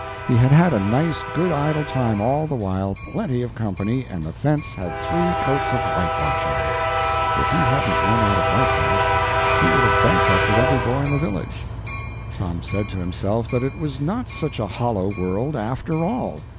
He had had a nice, good, idle time all the while plenty of company and the fence had three coats of whitewash on it! If he hadn't run out of whitewash, he would have bankrupted every boy in the village. Tom said to himself that it was not such a hollow world after all.